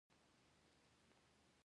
په سترګو او وريځو اشارې مه کوئ!